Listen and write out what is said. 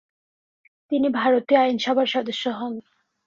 তিনি ভারতীয় আইনসভার সদস্য হন।